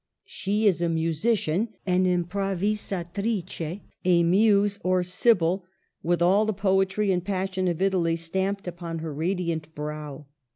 She is a musician, an improvisatrice, a Muse or Sibyl, with all the poetry and passion of Italy stamped upon her radiant brow.